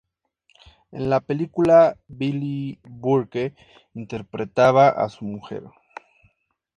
En la película, Billie Burke interpretaba a su mujer.